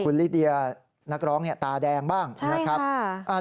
คุณลิเดียนักร้องตาแดงบ้างนะครับ